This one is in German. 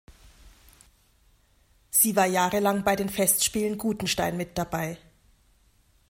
Sie war jahrelang bei den Festspielen Gutenstein mit dabei.